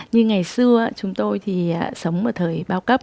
như ngày xưa chúng tôi thì sống một thời bao cấp